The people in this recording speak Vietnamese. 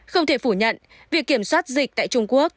không thể phủ nhận việc kiểm soát dịch tại trung quốc